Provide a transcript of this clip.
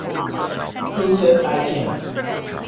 Who says I can't?